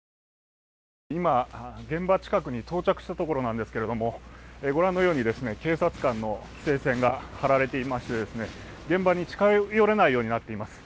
今、現場近くに到着したところなんですけれども、ご覧のように警察官の規制線が張られていまして現場に近寄れないようになっています。